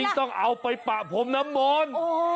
ยิ่งต้องเอาไปปะผมน้ำบ่น